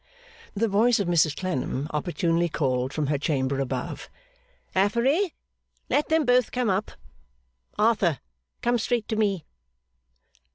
The voice of Mrs Clennam opportunely called from her chamber above, 'Affery, let them both come up. Arthur, come straight to me!